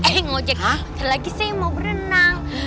eh ngojek lagi saya mau berenang